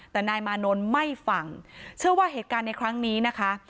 แต่นายมานนท์ไม่ฟังเชื่อว่าเหตุการณ์ในครั้งนี้นะคะ